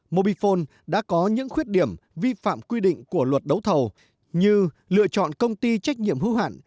mobifone đã có những khuyết điểm vi phạm quy định của luật đấu thầu như lựa chọn công ty trách nhiệm hữu hạn